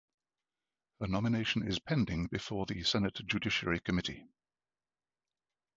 Her nomination is pending before the Senate Judiciary Committee.